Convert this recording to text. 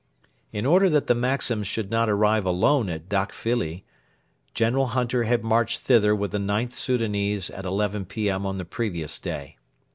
In order that the Maxims should not arrive alone at Dakfilli, General Hunter had marched thither with the IXth Soudanese at 11 P.M. on the previous day.